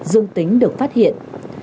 dương tính được phát hiện